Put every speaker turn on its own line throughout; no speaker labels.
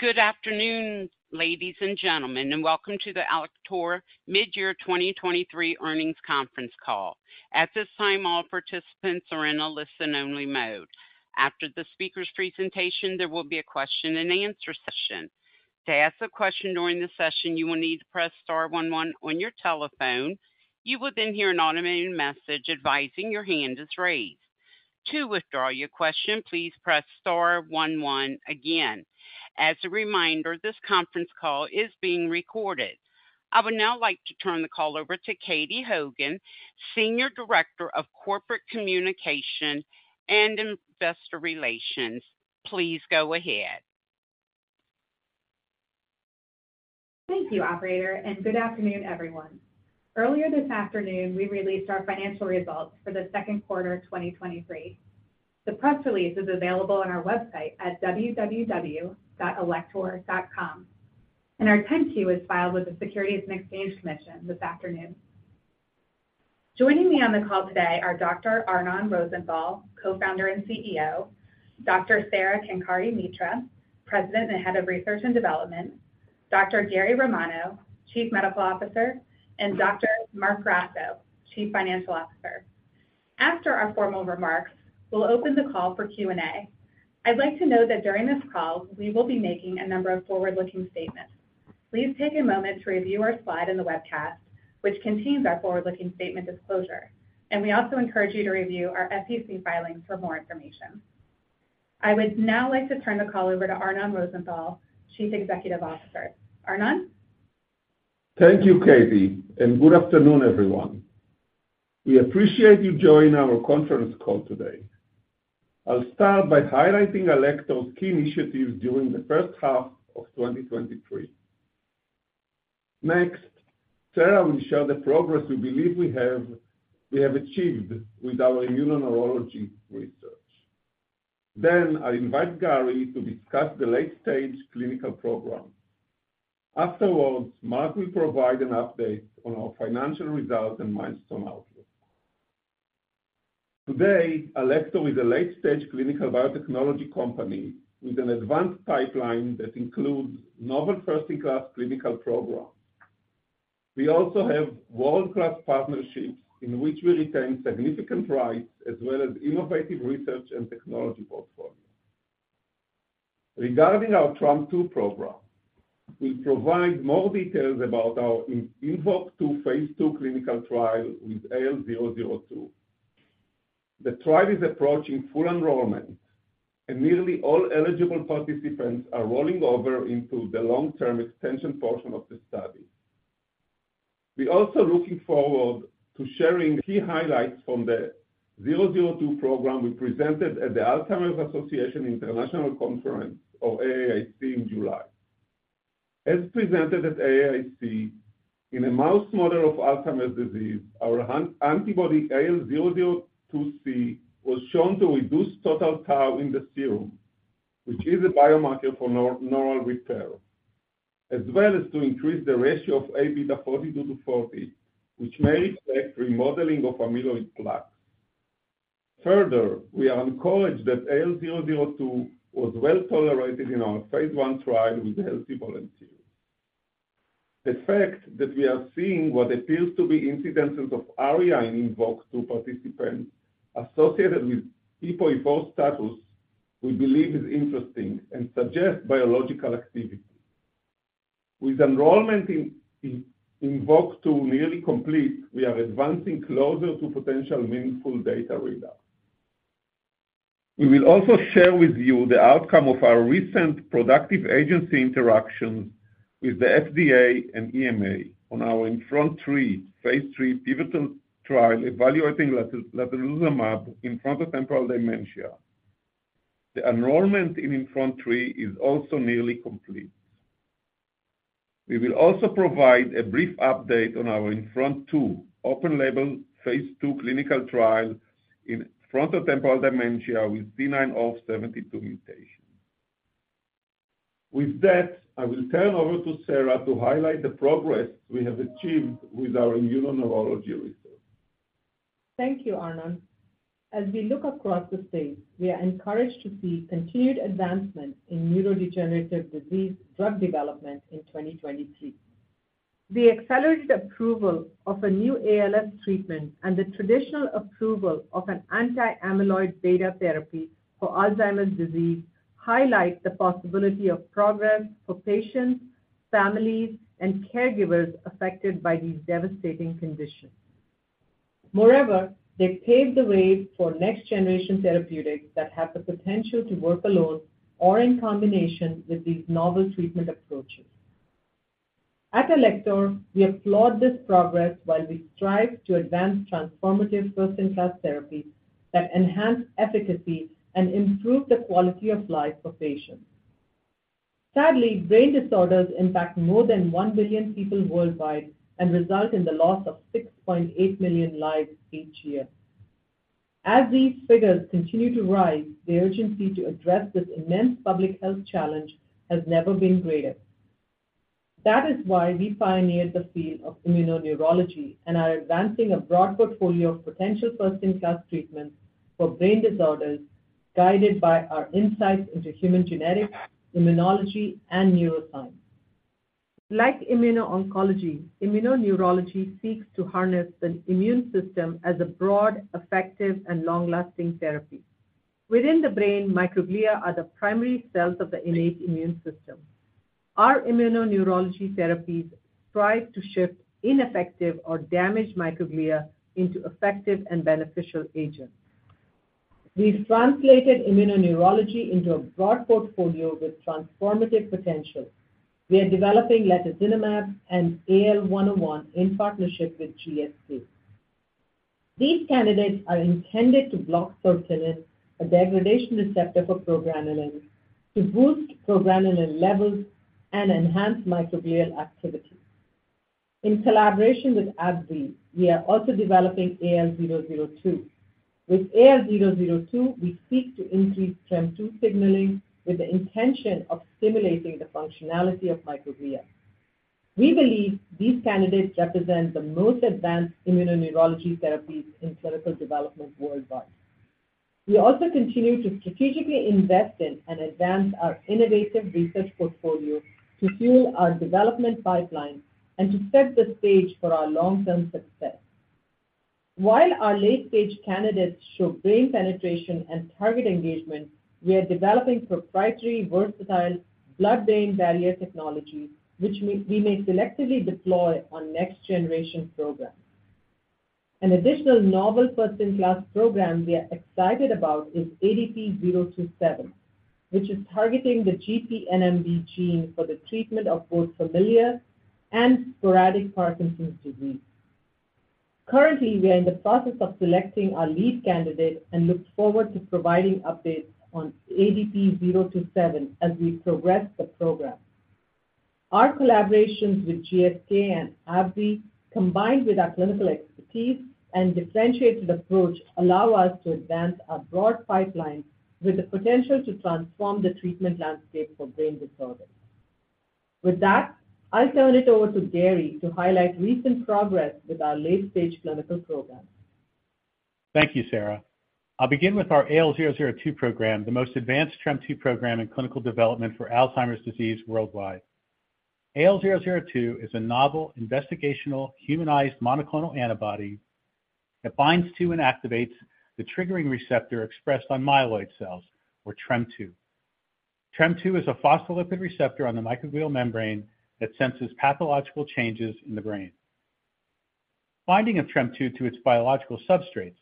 Good afternoon, ladies and gentlemen, and welcome to the Alector Mid-Year 2023 earnings conference call. At this time, all participants are in a listen-only mode. After the speaker's presentation, there will be a question-and-answer session. To ask a question during the session, you will need to press star one one on your telephone. You will then hear an automated message advising your hand is raised. To withdraw your question, please press star one one again. As a reminder, this conference call is being recorded. I would now like to turn the call over to Katie Hogan, Senior Director of Corporate Communication and Investor Relations. Please go ahead.
Thank you, Operator. Good afternoon, everyone. Earlier this afternoon, we released our financial results for the second quarter of 2023. The press release is available on our website at www.alector.com, and our 10-Q is filed with the Securities and Exchange Commission this afternoon. Joining me on the call today are Dr. Arnon Rosenthal, Co-founder and CEO, Dr. Sara Kenkare-Mitra, President and Head of Research and Development, Dr. Gary Romano, Chief Medical Officer, and Dr. Marc Grasso, Chief Financial Officer. After our formal remarks, we'll open the call for Q&A. I'd like to note that during this call, we will be making a number of forward-looking statements. Please take a moment to review our slide in the webcast, which contains our forward-looking statement disclosure, and we also encourage you to review our SEC filings for more information. I would now like to turn the call over to Arnon Rosenthal, Chief Executive Officer. Arnon?
Thank you, Katie, and good afternoon, everyone. We appreciate you joining our conference call today. I'll start by highlighting Alector's key initiatives during the first half of 2023. Sara will share the progress we believe we have achieved with our immuno-neurology research. I invite Gary to discuss the late-stage clinical program. Marc will provide an update on our financial results and milestone outlook. Today, Alector is a late-stage clinical biotechnology company with an advanced pipeline that includes novel first-in-class clinical programs. We also have world-class partnerships in which we retain significant rights, as well as innovative research and technology portfolio. Regarding our TREM2 program, we provide more details about our INVOKE-2 Phase 2 clinical trial with AL002. The trial is approaching full enrollment, and nearly all eligible participants are rolling over into the long-term extension portion of the study. We're also looking forward to sharing key highlights from the 002 program we presented at the Alzheimer's Association International Conference, or AAIC, in July. As presented at AAIC, in a mouse model of Alzheimer's disease, our antibody, AL002c, was shown to reduce total tau in the serum, which is a biomarker for neural repair, as well as to increase the ratio of A beta 42-40, which may affect remodeling of amyloid plaque. Further, we are encouraged that AL002 was well tolerated in our Phase 1 trial with healthy volunteers. The fact that we are seeing what appears to be incidences of ARIA in INVOKE-2 participants associated with ApoE4 status, we believe is interesting and suggests biological activity. With enrollment in INVOKE-2 nearly complete, we are advancing closer to potential meaningful data read out. We will also share with you the outcome of our recent productive agency interactions with the FDA and EMA on our INFRONT-3, Phase 3 pivotal trial evaluating letozinemab in frontotemporal dementia. The enrollment in INFRONT-3 is also nearly complete. We will also provide a brief update on our INFRONT-2, open label, Phase 2 clinical trial in frontotemporal dementia with C9orf72 mutation. With that, I will turn over to Sara to highlight the progress we have achieved with our immuno-neurology research.
Thank you, Arnon. As we look across the state, we are encouraged to see continued advancement in neurodegenerative disease drug development in 2023. The accelerated approval of a new ALS treatment and the traditional approval of an anti-amyloid beta therapy for Alzheimer's disease highlights the possibility of progress for patients, families, and caregivers affected by these devastating conditions. Moreover, they paved the way for next-generation therapeutics that have the potential to work alone or in combination with these novel treatment approaches. At Alector, we applaud this progress while we strive to advance transformative first-in-class therapies that enhance efficacy and improve the quality of life for patients. Sadly, brain disorders impact more than 1 billion people worldwide and result in the loss of 6.8 million lives each year. As these figures continue to rise, the urgency to address this immense public health challenge has never been greater.... That is why we pioneered the field of immuno-neurology and are advancing a broad portfolio of potential first-in-class treatments for brain disorders, guided by our insights into human genetics, immunology, and neuroscience. Like immuno-oncology, immuno-neurology seeks to harness the immune system as a broad, effective, and long-lasting therapy. Within the brain, microglia are the primary cells of the innate immune system. Our immuno-neurology therapies strive to shift ineffective or damaged microglia into effective and beneficial agents. We've translated immuno-neurology into a broad portfolio with transformative potential. We are developing latozinemab and AL101 in partnership with GSK. These candidates are intended to block sortilin, a degradation receptor for progranulin, to boost progranulin levels and enhance microglial activity. In collaboration with AbbVie, we are also developing AL002. With AL002, we seek to increase TREM2 signaling with the intention of stimulating the functionality of microglia. We believe these candidates represent the most advanced immuno-neurology therapies in clinical development worldwide. We also continue to strategically invest in and advance our innovative research portfolio to fuel our development pipeline and to set the stage for our long-term success. While our late-stage candidates show brain penetration and target engagement, we are developing proprietary, versatile, blood-brain barrier technologies, which we may selectively deploy on next-generation programs. An additional novel first-in-class program we are excited about is ADP027, which is targeting the GPNMB gene for the treatment of both familiar and sporadic Parkinson's disease. Currently, we are in the process of selecting our lead candidate and look forward to providing updates on ADP027 as we progress the program. Our collaborations with GSK and AbbVie, combined with our clinical expertise and differentiated approach, allow us to advance our broad pipeline with the potential to transform the treatment landscape for brain disorders. With that, I'll turn it over to Gary to highlight recent progress with our late-stage clinical programs.
Thank you, Sara. I'll begin with our AL002 program, the most advanced TREM2 program in clinical development for Alzheimer's disease worldwide. AL002 is a novel, investigational, humanized monoclonal antibody that binds to and activates the triggering receptor expressed on myeloid cells, or TREM2. TREM2 is a phospholipid receptor on the microglial membrane that senses pathological changes in the brain. Binding of TREM2 to its biological substrates,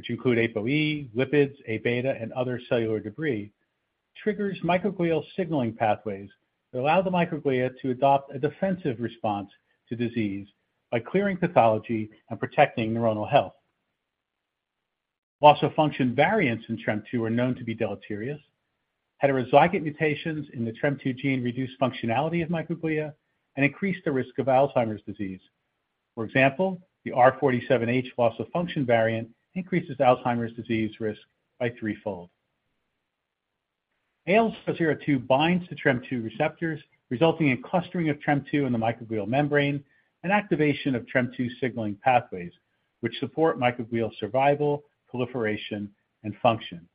which include ApoE, lipids, A-beta, and other cellular debris, triggers microglial signaling pathways that allow the microglia to adopt a defensive response to disease by clearing pathology and protecting neuronal health. Loss-of-function variants in TREM2 are known to be deleterious. Heterozygous mutations in the TREM2 gene reduce functionality of microglia and increase the risk of Alzheimer's disease. For example, the R47H loss-of-function variant increases Alzheimer's disease risk by 3-fold. AL002 binds to TREM2 receptors, resulting in clustering of TREM2 in the microglial membrane and activation of TREM2 signaling pathways, which support microglial survival, proliferation, and function.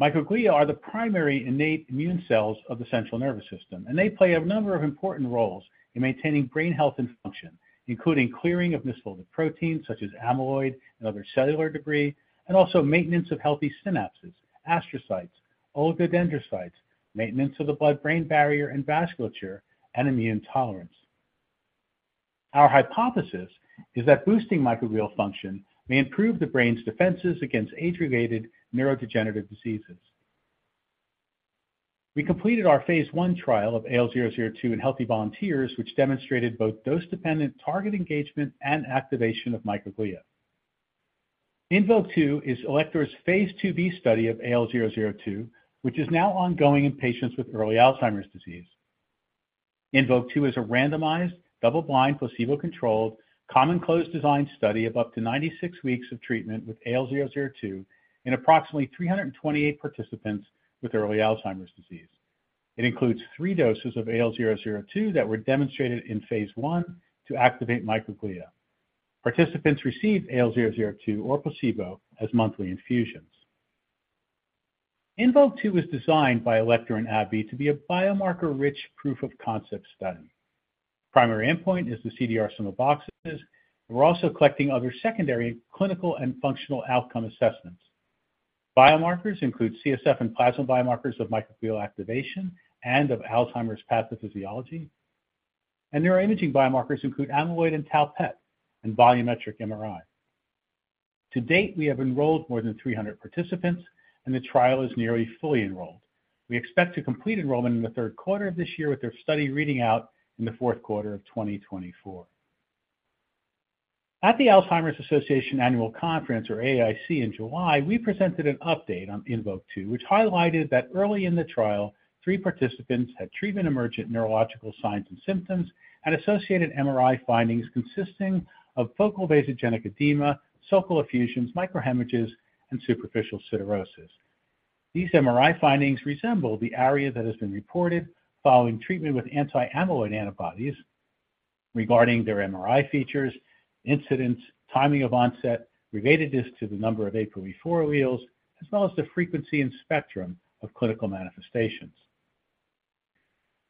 Microglia are the primary innate immune cells of the central nervous system, and they play a number of important roles in maintaining brain health and function, including clearing of misfolded proteins such as amyloid and other cellular debris, and also maintenance of healthy synapses, astrocytes, oligodendrocytes, maintenance of the blood-brain barrier and vasculature, and immune tolerance. Our hypothesis is that boosting microglial function may improve the brain's defenses against age-related neurodegenerative diseases. We completed our Phase 1 trial of AL002 in healthy volunteers, which demonstrated both dose-dependent target engagement and activation of microglia. INVOKE-2 is Alector's Phase 2b study of AL002, which is now ongoing in patients with early Alzheimer's disease. INVOKE-2 is a randomized, double-blind, placebo-controlled, common closed design study of up to 96 weeks of treatment with AL002 in approximately 328 participants with early Alzheimer's disease. It includes three doses of AL002 that were demonstrated in Phase 1 to activate microglia. Participants receive AL002 or placebo as monthly infusions. INVOKE-2 was designed by Alector and AbbVie to be a biomarker-rich proof of concept study. Primary endpoint is the CDR-SB, we're also collecting other secondary clinical and functional outcome assessments. Biomarkers include CSF and plasma biomarkers of microglial activation and of Alzheimer's pathophysiology, neuroimaging biomarkers include amyloid PET and tau PET and volumetric MRI. To date, we have enrolled more than 300 participants, the trial is nearly fully enrolled. We expect to complete enrollment in the 3rd quarter of this year, with their study reading out in the 4th quarter of 2024. At the Alzheimer's Association International Conference, or AAIC, in July, we presented an update on INVOKE-2, which highlighted that early in the trial, three participants had treatment-emergent neurological signs and symptoms and associated MRI findings consisting of focal vasogenic edema, sulcal effusions, microhemorrhages, and superficial siderosis. These MRI findings resemble the ARIA that has been reported following treatment with anti-amyloid antibodies regarding their MRI features, incidence, timing of onset, relatedness to the number of ApoE4 alleles, as well as the frequency and spectrum of clinical manifestations.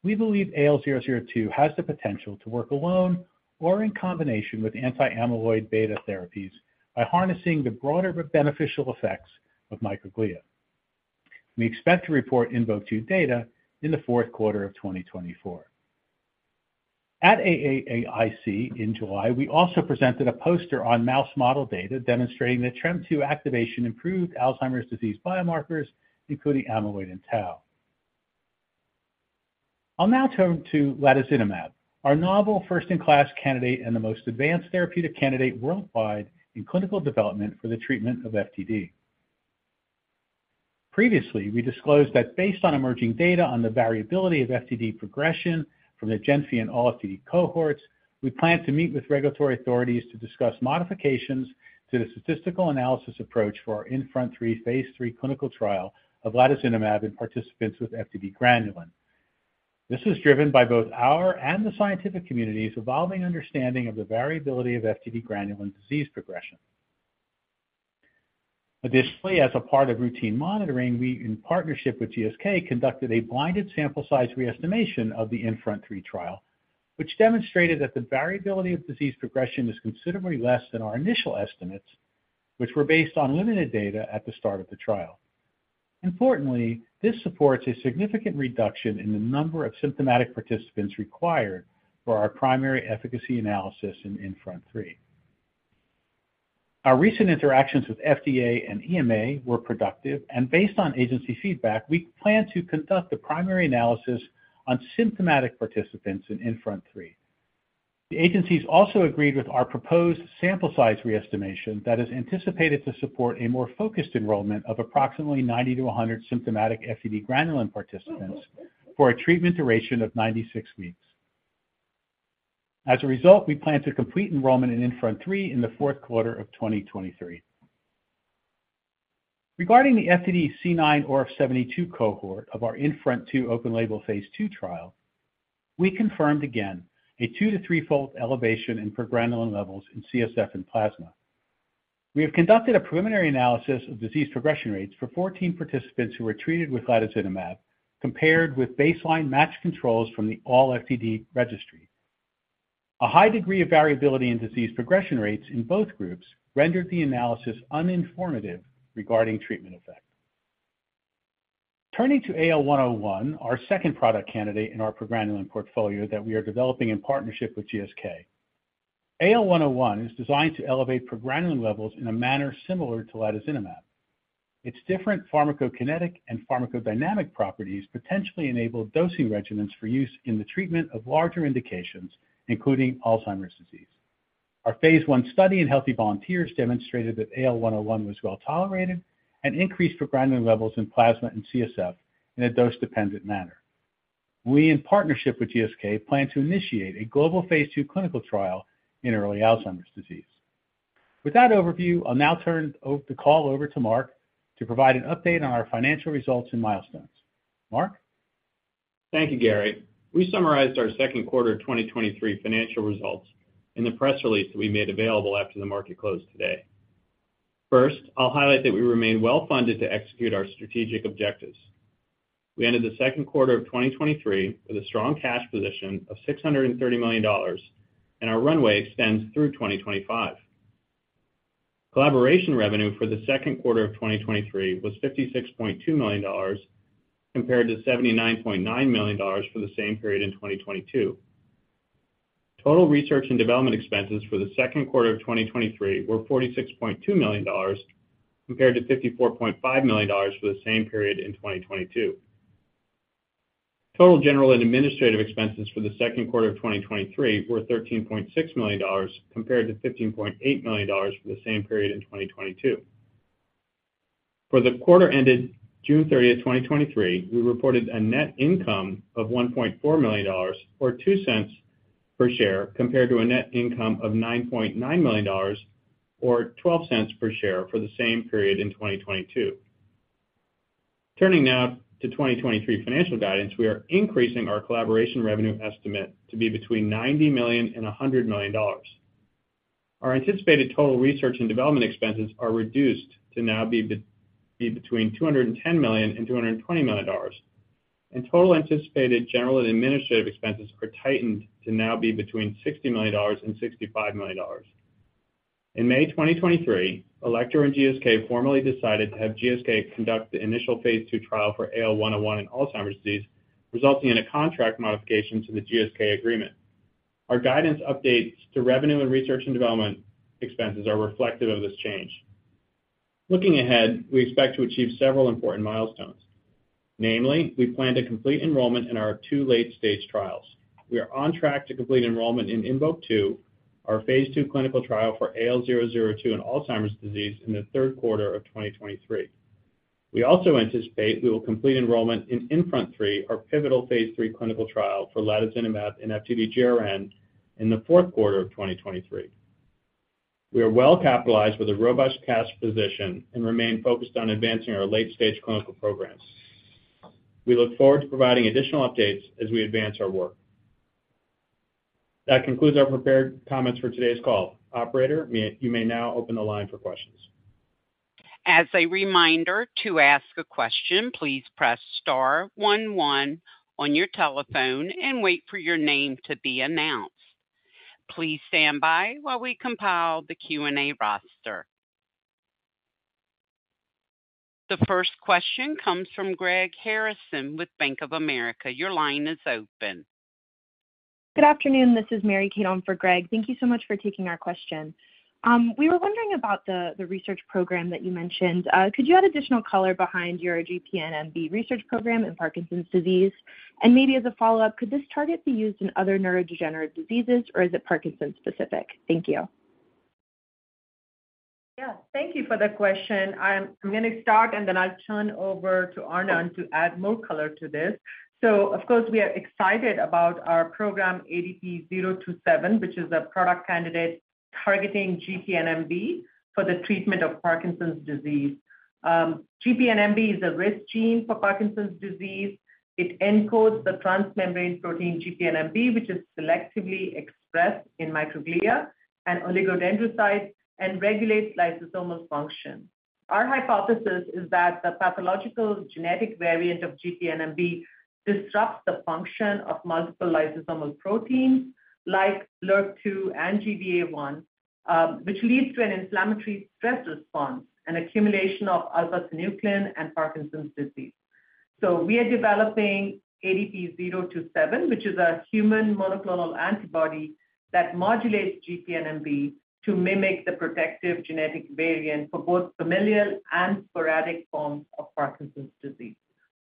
We believe AL002 has the potential to work alone or in combination with anti-amyloid beta therapies by harnessing the broader beneficial effects of microglia. We expect to report INVOKE-2 data in the 4th quarter of 2024. At AAIC in July, we also presented a poster on mouse model data demonstrating that TREM2 activation improved Alzheimer's disease biomarkers, including amyloid and tau. I'll now turn to latozinemab, our novel first-in-class candidate and the most advanced therapeutic candidate worldwide in clinical development for the treatment of FTD. Previously, we disclosed that based on emerging data on the variability of FTD progression from the GENFI and ALLFTD cohorts, we plan to meet with regulatory authorities to discuss modifications to the statistical analysis approach for our INFRONT-3 Phase 3 clinical trial of latozinemab in participants with FTD-GRN. This is driven by both our and the scientific community's evolving understanding of the variability of FTD-GRN disease progression. Additionally, as a part of routine monitoring, we, in partnership with GSK, conducted a blinded sample size re-estimation of the INFRONT-3 trial, which demonstrated that the variability of disease progression is considerably less than our initial estimates, which were based on limited data at the start of the trial. Importantly, this supports a significant reduction in the number of symptomatic participants required for our primary efficacy analysis in INFRONT-3. Our recent interactions with FDA and EMA were productive, and based on agency feedback, we plan to conduct the primary analysis on symptomatic participants in INFRONT-3. The agencies also agreed with our proposed sample size re-estimation that is anticipated to support a more focused enrollment of approximately 90-100 symptomatic FTD-GRN participants for a treatment duration of 96 weeks. As a result, we plan to complete enrollment in INFRONT-3 in the fourth quarter of 2023. Regarding the FTD C9orf72 cohort of our INFRONT-2 open-label Phase 2 trial, we confirmed again a two to three-fold elevation in progranulin levels in CSF and plasma. We have conducted a preliminary analysis of disease progression rates for 14 participants who were treated with latozinemab, compared with baseline matched controls from the ALLFTD registry. A high degree of variability in disease progression rates in both groups rendered the analysis uninformative regarding treatment effect. Turning to AL101, our second product candidate in our progranulin portfolio that we are developing in partnership with GSK. AL101 is designed to elevate progranulin levels in a manner similar to latozinemab. Its different pharmacokinetic and pharmacodynamic properties potentially enable dosing regimens for use in the treatment of larger indications, including Alzheimer's disease. Our Phase 1 study in healthy volunteers demonstrated that AL101 was well tolerated and increased progranulin levels in plasma and CSF in a dose-dependent manner. We, in partnership with GSK, plan to initiate a global Phase 2 clinical trial in early Alzheimer's disease. With that overview, I'll now turn the call over to Marc to provide an update on our financial results and milestones. Marc?
Thank you, Gary. We summarized our second quarter of 2023 financial results in the press release that we made available after the market closed today. First, I'll highlight that we remain well funded to execute our strategic objectives. We ended the second quarter of 2023 with a strong cash position of $630 million, and our runway extends through 2025. Collaboration revenue for the second quarter of 2023 was $56.2 million, compared to $79.9 million for the same period in 2022. Total research and development expenses for the second quarter of 2023 were $46.2 million, compared to $54.5 million for the same period in 2022. Total general and administrative expenses for the second quarter of 2023 were $13.6 million, compared to $15.8 million for the same period in 2022. For the quarter ended June 30th, 2023, we reported a net income of $1.4 million, or $0.02 per share, compared to a net income of $9.9 million, or $0.12 per share, for the same period in 2022. Turning now to 2023 financial guidance, we are increasing our collaboration revenue estimate to be between $90 million and $100 million. Our anticipated total research and development expenses are reduced to now be between $210 million and $220 million, and total anticipated general and administrative expenses are tightened to now be between $60 million and $65 million. In May 2023, Alector and GSK formally decided to have GSK conduct the initial Phase 2 trial for AL101 in Alzheimer's disease, resulting in a contract modification to the GSK agreement. Our guidance updates to revenue and research and development expenses are reflective of this change. Looking ahead, we expect to achieve several important milestones. Namely, we plan to complete enrollment in our two late-stage trials. We are on track to complete enrollment in INVOKE-2, our Phase 2 clinical trial for AL002 in Alzheimer's disease, in the third quarter of 2023. We also anticipate we will complete enrollment in INFRONT-3, our pivotal Phase 3 clinical trial for latozinemab in FTD-GRN in the fourth quarter of 2023. We are well capitalized with a robust cash position and remain focused on advancing our late-stage clinical programs. We look forward to providing additional updates as we advance our work. That concludes our prepared comments for today's call. Operator, you may now open the line for questions.
As a reminder, to ask a question, please press star one one on your telephone and wait for your name to be announced. Please stand by while we compile the Q&A roster. The first question comes from Greg Harrison with Bank of America. Your line is open.
Good afternoon. This is Mary Kate on for Greg. Thank you so much for taking our question. We were wondering about the, the research program that you mentioned. Could you add additional color behind your GPNMB research program in Parkinson's disease? Maybe as a follow-up, could this target be used in other neurodegenerative diseases, or is it Parkinson's specific? Thank you.
Yeah, thank you for the question. I'm gonna start, and then I'll turn over to Arnon to add more color to this. Of course, we are excited about our program, ADP027, which is a product candidate targeting GPNMB for the treatment of Parkinson's disease. GPNMB is a risk gene for Parkinson's disease. It encodes the transmembrane protein, GPNMB, which is selectively expressed in microglia and oligodendrocytes and regulates lysosomal function. Our hypothesis is that the pathological genetic variant of GPNMB disrupts the function of multiple lysosomal proteins, like LIMP-2 and GBA1, which leads to an inflammatory stress response and accumulation of alpha-synuclein and Parkinson's disease. We are developing ADP027, which is a human monoclonal antibody that modulates GPNMB to mimic the protective genetic variant for both familiar and sporadic forms of Parkinson's disease.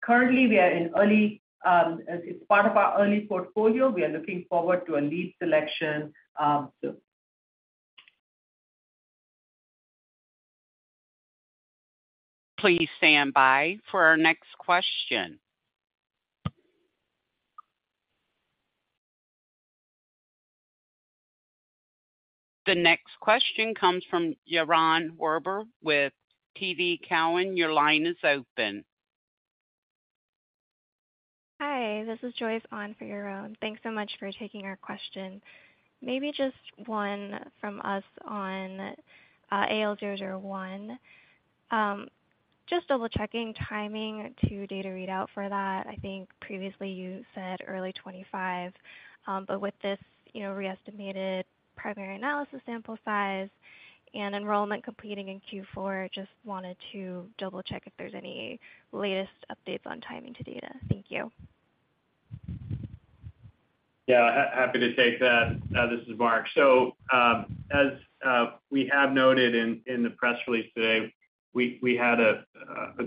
Currently, we are in early, it's part of our early portfolio. We are looking forward to a lead selection, soon.
Please stand by for our next question. The next question comes from Yaron Werber with TD Cowen. Your line is open.
Hi, this is Joyce on for Yaron. Thanks so much for taking our question. Maybe just one from us on AL001. Just double-checking timing to data readout for that. I think previously you said early 2025, but with this, you know, reestimated primary analysis, sample size and enrollment completing in Q4, just wanted to double-check if there's any latest updates on timing to data. Thank you.
Yeah, happy to take that. This is Marc. As we have noted in the press release today, we had a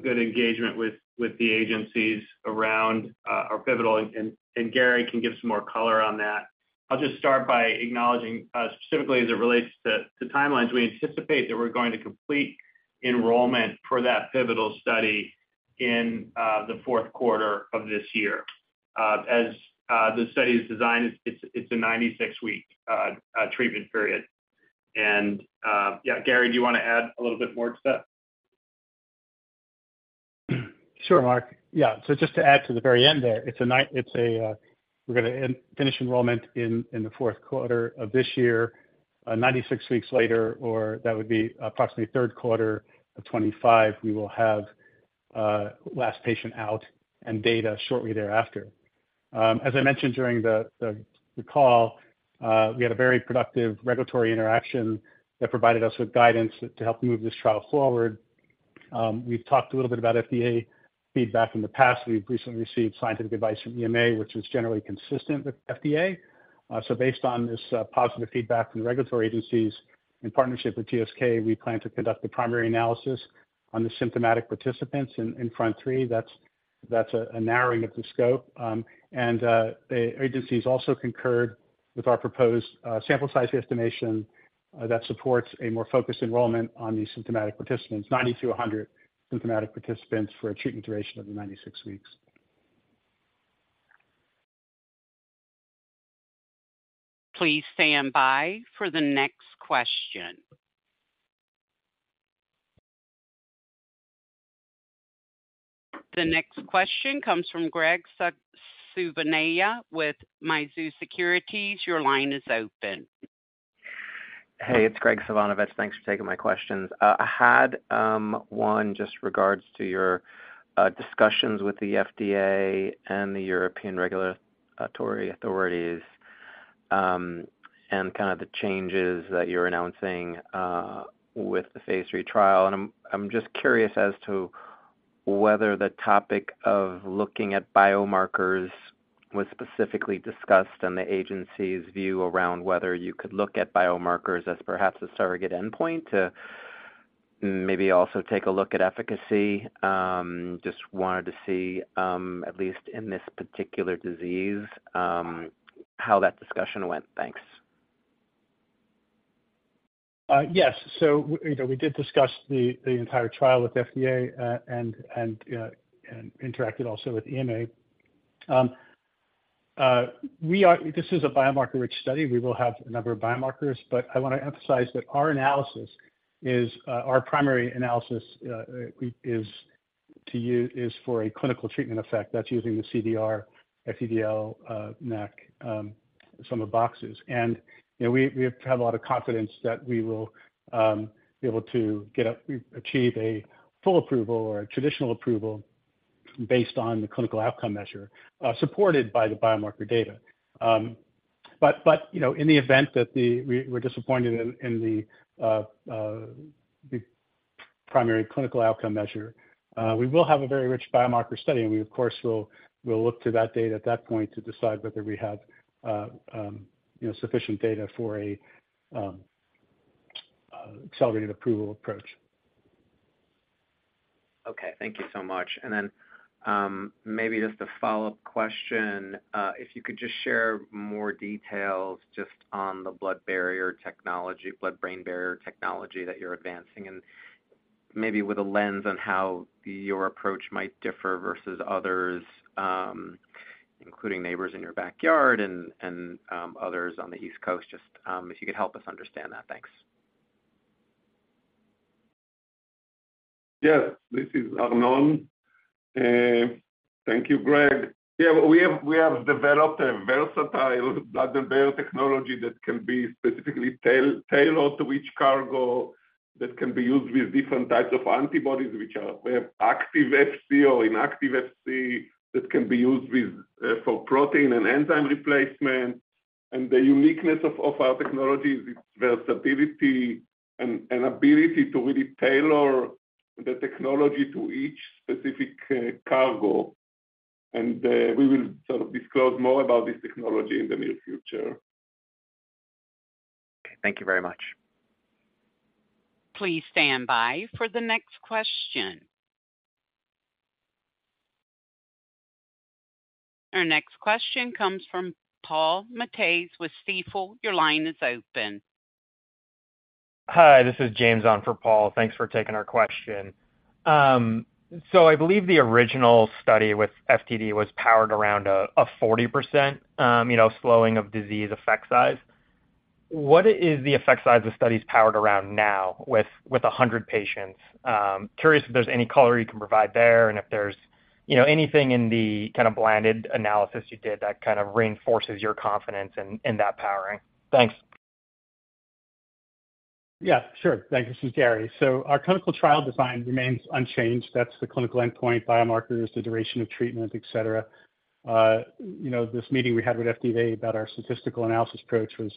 good engagement with the agencies around our pivotal, and Gary can give some more color on that. I'll just start by acknowledging specifically as it relates to timelines, we anticipate that we're going to complete enrollment for that pivotal study in the fourth quarter of this year. As the study is designed, it's a 96-week treatment period. Yeah, Gary, do you want to add a little bit more to that?
Sure, Marc. Yeah, just to add to the very end there, it's a, we're gonna end, finish enrollment in the fourth quarter of this year. 96 weeks later, or that would be approximately third quarter of 2025, we will have last patient out and data shortly thereafter. As I mentioned during the call, we had a very productive regulatory interaction that provided us with guidance to help move this trial forward. We've talked a little about FDA feedback in the past. We've recently received scientific advice from EMA, which is generally consistent with FDA. Based on this positive feedback from the regulatory agencies, in partnership with GSK, we plan to conduct the primary analysis on the symptomatic participants in INFRONT-3. That's, that's a narrowing of the scope. The agencies also concurred with our proposed sample size estimation that supports a more focused enrollment on the symptomatic participants, 90-100 symptomatic participants for a treatment duration of 96 weeks.
Please stand by for the next question. The next question comes from Graig Suvannavejh with Mizuho Securities. Your line is open.
Hey, it's Graig Suvannavejh. Thanks for taking my questions. I had one just regards to your discussions with the FDA and the European regulatory authorities, and kind of the changes that you're announcing with the Phase 3 trial. I'm, I'm just curious as to whether the topic of looking at biomarkers was specifically discussed and the agency's view around whether you could look at biomarkers as perhaps a surrogate endpoint to maybe also take a look at efficacy. Just wanted to see, at least in this particular disease, how that discussion went. Thanks.
Yes. You know, we did discuss the, the entire trial with the FDA, and, and, and interacted also with EMA. We are, this is a biomarker-rich study. We will have a number of biomarkers, but I want to emphasize that our analysis is, our primary analysis, is to is for a clinical treatment effect. That's using the CDR plus NACC FTLD-SB. You know, we, we have had a lot of confidence that we will, be able to get up, achieve a full approval or a traditional approval based on the clinical outcome measure, supported by the biomarker data. But, you know, in the event that the, we, we're disappointed in, in the, the primary clinical outcome measure, we will have a very rich biomarker study, and we, of course, will, we'll look to that data at that point to decide whether we have, you know, sufficient data for a accelerated approval approach.
Okay, thank you so much. Then, maybe just a follow-up question, if you could just share more details just on the blood barrier technology, blood-brain barrier technology that you're advancing, and maybe with a lens on how your approach might differ versus others, including neighbors in your backyard and, and, others on the East Coast, just, if you could help us understand that. Thanks.
Yes, this is Arnon. Thank you, Graig. We have developed a versatile blood-brain barrier technology that can be specifically tailored to each cargo, that can be used with different types of antibodies, which are active Fc or inactive Fc, that can be used with, for protein and enzyme replacement. The uniqueness of our technology is its versatility and ability to really tailor the technology to each specific cargo. We will sort of disclose more about this technology in the near future.
Thank you very much.
Please stand by for the next question. Our next question comes from Paul Matteis with Stifel. Your line is open.
Hi, this is James on for Paul. Thanks for taking our question. I believe the original study with FTD was powered around a 40%, you know, slowing of disease effect size. What is the effect size the study is powered around now with 100 patients? Curious if there's any color you can provide there, and if there's, you know, anything in the kind of blinded analysis you did that kind of reinforces your confidence in, in that powering. Thanks.
Yeah, sure. Thanks. This is Gary. Our clinical trial design remains unchanged. That's the clinical endpoint, biomarkers, the duration of treatment, et cetera. You know, this meeting we had with FDA about our statistical analysis approach was,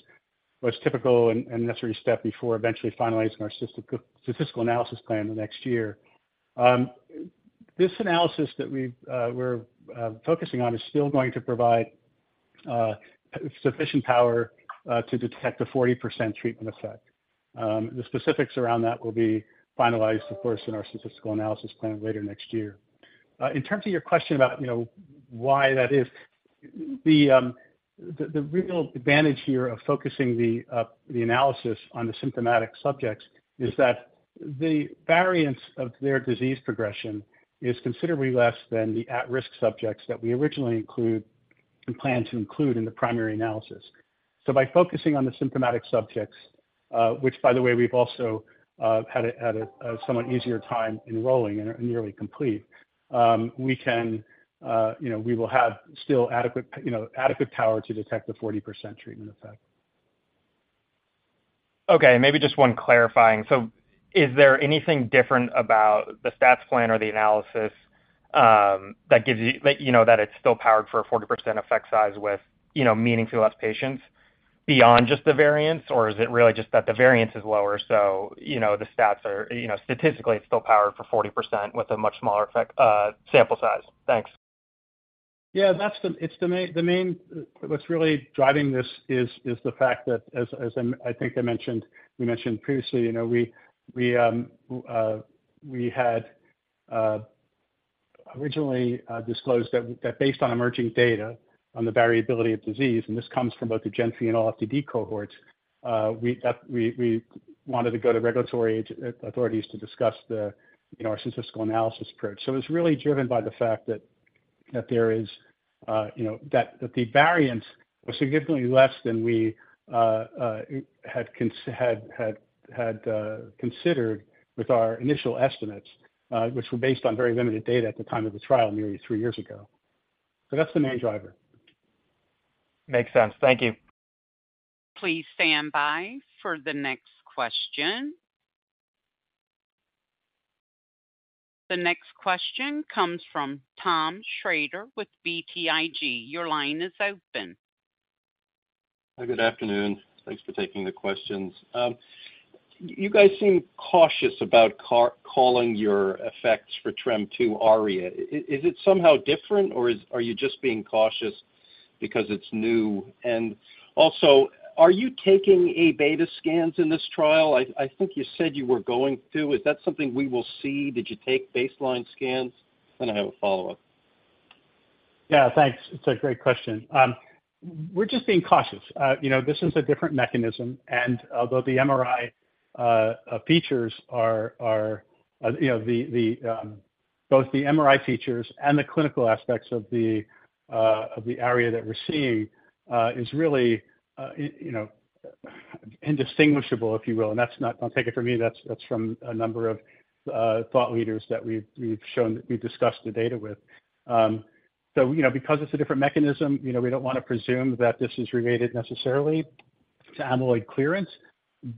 was typical and, and necessary step before eventually finalizing our statistical analysis plan in the next year. This analysis that we've, we're focusing on is still going to provide sufficient power to detect a 40% treatment effect. The specifics around that will be finalized, of course, in our statistical analysis plan later next year. In terms of your question about, you know, why that is, the, the, the real advantage here of focusing the, the analysis on the symptomatic subjects is that the variance of their disease progression is considerably less than the at-risk subjects that we originally include, and planned to include in the primary analysis. By focusing on the symptomatic subjects, which, by the way, we've also, had a, had a, a somewhat easier time enrolling and are nearly complete, we can, you know, we will have still adequate, you know, adequate power to detect the 40% treatment effect.
Okay, maybe just one clarifying. Is there anything different about the stats plan or the analysis, that gives you, that, you know, that it's still powered for a 40% effect size with, you know, meaningfully less patients beyond just the variance? Or is it really just that the variance is lower, so you know, the stats are, you know, statistically, it's still powered for 40% with a much smaller effect, sample size? Thanks.
Yeah, It's the main, the main, what's really driving this is, is the fact that as, as I, I think I mentioned, we mentioned previously, you know, we, we, we had originally disclosed that, that based on emerging data on the variability of disease, and this comes from both the GENFI and ALLFTD cohorts, we, we, we wanted to go to regulatory authorities to discuss the, you know, our statistical analysis approach. It's really driven by the fact that, that there is, you know, that, that the variance was significantly less than we had considered with our initial estimates, which were based on very limited data at the time of the trial, nearly 3 years ago. That's the main driver.
Makes sense. Thank you.
Please stand by for the next question. The next question comes from Tom Shrader with BTIG. Your line is open.
Hi, good afternoon. Thanks for taking the questions. You guys seem cautious about calling your effects for TREM2 ARIA. Is it somehow different, or are you just being cautious because it's new? Also, are you taking A-beta scans in this trial? I think you said you were going to. Is that something we will see? Did you take baseline scans? I have a follow-up.
Yeah, thanks. It's a great question. We're just being cautious. You know, this is a different mechanism, and although the MRI features are, are, you know, the, the, both the MRI features and the clinical aspects of the ARIA that we're seeing, is really, you know, indistinguishable, if you will. That's not, don't take it from me, that's, that's from a number of thought leaders that we've, we've shown, that we've discussed the data with. So, you know, because it's a different mechanism, you know, we don't wanna presume that this is related necessarily to amyloid clearance.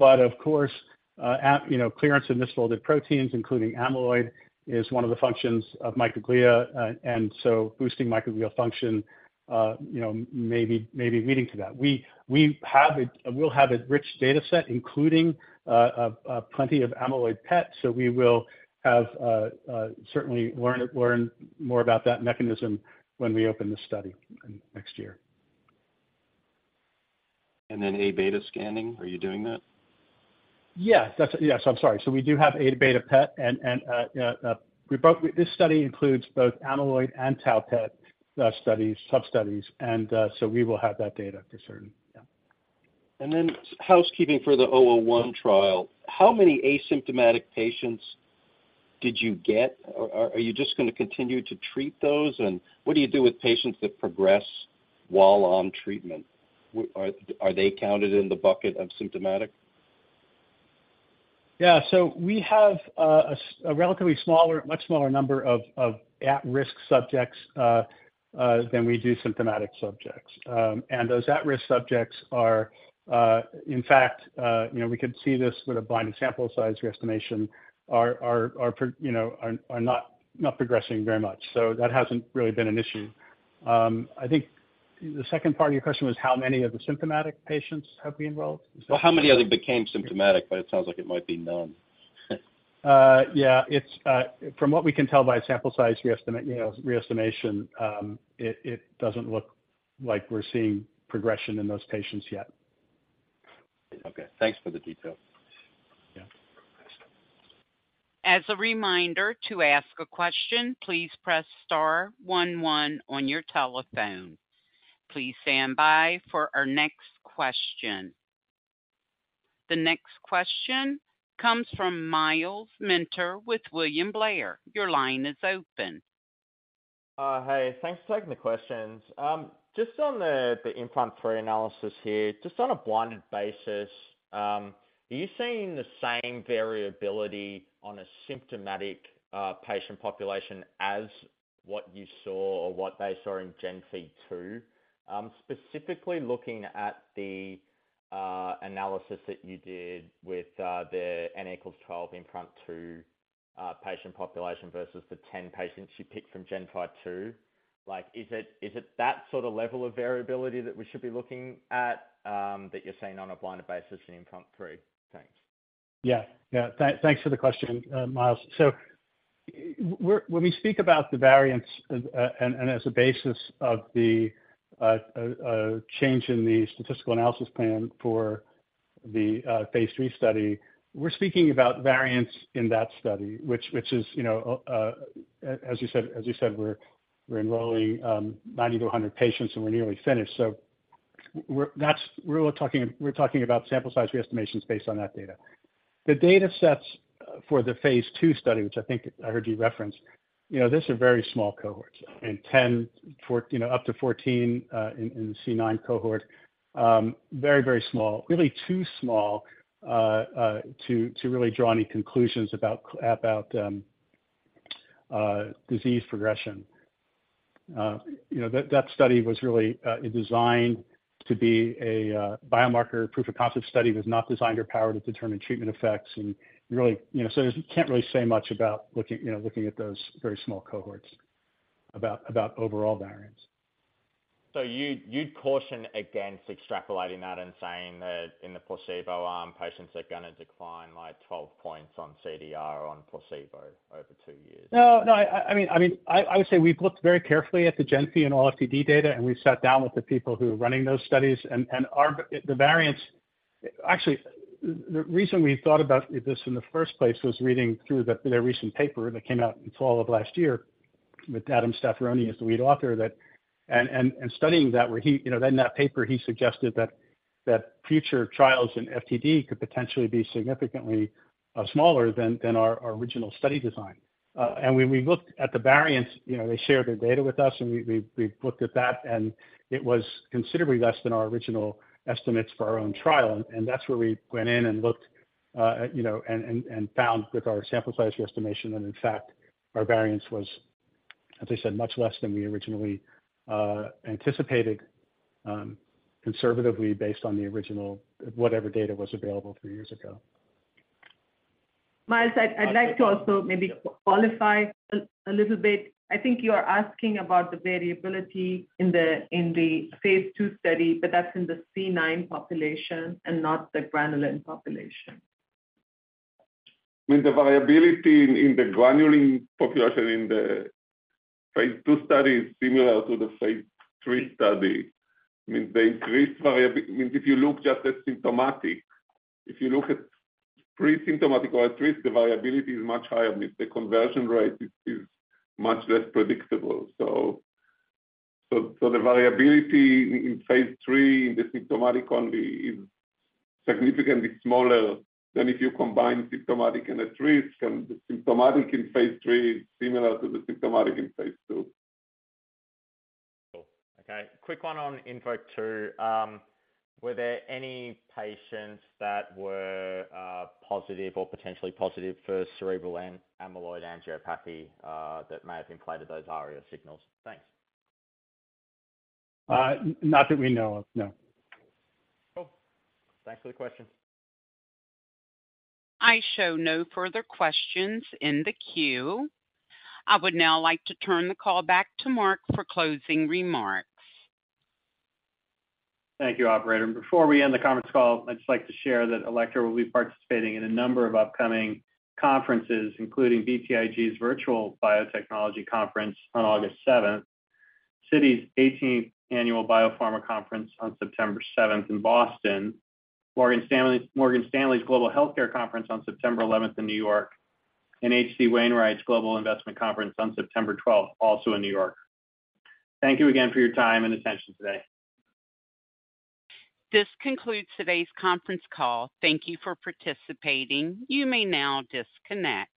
Of course, you know, clearance of misfolded proteins, including amyloid, is one of the functions of microglia. So boosting microglial function, you know, may be, may be leading to that We'll have a rich data set, including plenty of amyloid PET, so we will certainly learn more about that mechanism when we open the study next year. Then A-beta scanning, are you doing that? Yes. That's, yes, I'm sorry. We do have A-beta PET, and, and, we both- this study includes both amyloid and tau PET, studies, sub-studies, and, so we will have that data for certain. Yeah.
Housekeeping for the AL001 trial. How many asymptomatic patients did you get? Are you just going to continue to treat those? What do you do with patients that progress while on treatment? Are they counted in the bucket of symptomatic?
Yeah, we have a relatively smaller, much smaller number of at-risk subjects than we do symptomatic subjects. Those at-risk subjects are, in fact, you know, we could see this with a blind sample size re-estimation, not progressing very much. That hasn't really been an issue. I think the second part of your question was how many of the symptomatic patients have we enrolled?
Well, how many of them became symptomatic, but it sounds like it might be none.
Yeah, it's, from what we can tell by sample size reestimate, you know, reestimation, it doesn't look like we're seeing progression in those patients yet.
Okay, thanks for the detail.
Yeah.
As a reminder, to ask a question, please press star one, one on your telephone. Please stand by for our next question. The next question comes from Myles Minter with William Blair. Your line is open.
Hi, thanks for taking the questions. Just on the, the INFRONT-3 analysis here, just on a blinded basis, are you seeing the same variability on a symptomatic patient population as what you saw or what they saw in GENFI-2? Specifically looking at the analysis that you did with the N=12 INFRONT-2 patient population versus the 10 patients you picked from GENFI-2. Like, is it, is it that sort of level of variability that we should be looking at, that you're seeing on a blinded basis in INFRONT-3? Thanks.
Yeah. Yeah. Thanks for the question, Myles. We're... When we speak about the variance, and as a basis of the change in the statistical analysis plan for the Phase 3 study, we're speaking about variance in that study, which, which is, you know, as you said, as you said, we're enrolling 90-100 patients, and we're nearly finished. We're, that's, we're talking, we're talking about sample size reestimations based on that data. The datasets for the Phase 2 study, which I think I heard you reference, you know, these are very small cohorts. I mean, 10, 14, you know, up to 14 in C9 cohort, very, very small. Really too small to really draw any conclusions about, about disease progression. You know, that, that study was really designed to be a biomarker proof of concept study. It was not designed or powered to determine treatment effects, and really, you know, so you can't really say much about looking, you know, looking at those very small cohorts about, about overall variants.
You'd, you'd caution against extrapolating that and saying that in the placebo arm, patients are gonna decline by 12 points on CDR or on placebo over two years?
No, no, I, I mean, I mean, I would say we've looked very carefully at the GENFI and ALLFTD data, and we've sat down with the people who are running those studies, and our, the variance... Actually, the reason we thought about this in the first place was reading through the, the recent paper that came out in fall of last year with Adam Staffaroni as the lead author, that. Studying that, where he, you know, in that paper, he suggested that future trials in FTD could potentially be significantly smaller than our original study design. When we looked at the variants, you know, they shared their data with us, and we looked at that, and it was considerably less than our original estimates for our own trial. That's where we went in and looked, you know, and, and, and found with our sample size re-estimation, and in fact, our variance was, as I said, much less than we originally anticipated, conservatively, based on the original, whatever data was available two years ago.
Myles, I'd like to also maybe qualify a little bit. I think you are asking about the variability in the Phase 2 study, but that's in the C9 population and not the progranulin population.
With the variability in the granulin population, in the Phase 2 study, is similar to the Phase 3 study. I mean, they increased variability. I mean, if you look just at symptomatic, if you look at pre-symptomatic or at-risk, the variability is much higher. I mean, the conversion rate is much less predictable. The variability in Phase 3 in the symptomatic only is significantly smaller than if you combine symptomatic and at-risk. The symptomatic in Phase 3 is similar to the symptomatic in Phase 2.
Cool. Okay, quick one on INVOKE-2. Were there any patients that were positive or potentially positive for cerebral and amyloid angiopathy that may have inflated those ARIA signals? Thanks.
Not that we know of, no.
Cool. Thanks for the question.
I show no further questions in the queue. I would now like to turn the call back to Mark for closing remarks.
Thank you, operator. Before we end the conference call, I'd just like to share that Alector will be participating in a number of upcoming conferences, including BTIG's Virtual Biotechnology Conference on August 7th, Citi's 18th Annual Biopharma Conference on September 7th in Boston, Morgan Stanley's Global Healthcare Conference on September 11th in New York, and H.C. Wainwright's Global Investment Conference on September 12th, also in New York. Thank you again for your time and attention today.
This concludes today's conference call. Thank you for participating. You may now disconnect.